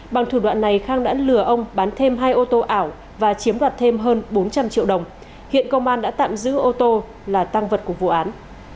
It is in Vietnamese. bằng thủ đoạn này khang đã lừa ông bán thêm hai ô tô ảo và chiếm đoạt thêm hơn bốn trăm linh triệu đồng hiện công an đã tạm giữ ô tô là tăng vật của vụ án